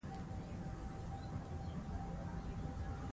ـ واده دى د پرديي کې غورځي لېوني .